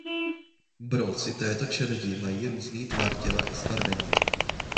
Brouci této čeledi mají různý tvar těla i zbarvení.